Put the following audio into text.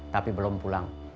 tapi belum pulang